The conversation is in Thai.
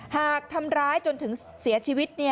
หากทำร้ายจนถึงเสียชีวิต